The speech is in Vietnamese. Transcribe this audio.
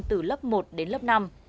từ lớp một đến lớp năm